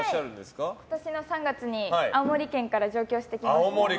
はい、今年の３月に青森県から上京してきました。